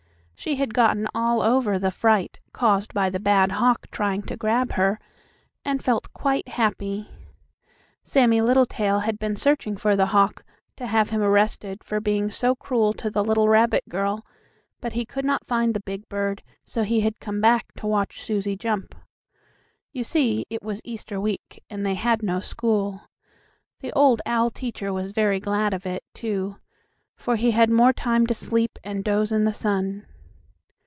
She had gotten all over the fright caused by the bad hawk trying to grab her, and felt quite happy. Sammie Littletail had been searching for the hawk, to have him arrested for being so cruel to the little rabbit girl, but he could not find the big bird, so he had come back to watch Susie jump. You see it was Easter week, and they had no school. The old owl teacher was very glad of it, too, for he had more time to sleep and doze in the sun.